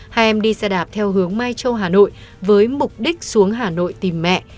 hai em đi xe đạp theo hướng mai châu hà nội với mục đích xuống hà nội tìm mẹ